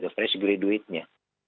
fresh beli duitnya